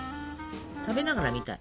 食べながら見たい。